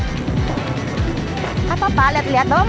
gak apa apa liat liat doang